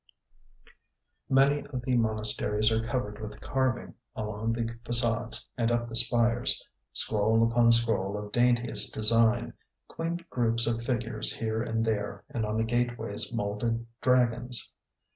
Many of the monasteries are covered with carving along the façades and up the spires, scroll upon scroll of daintiest design, quaint groups of figures here and there, and on the gateways moulded dragons.